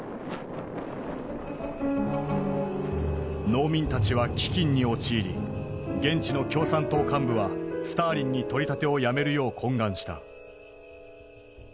農民たちは飢饉に陥り現地の共産党幹部はスターリンに取り立てをやめるよう懇願した。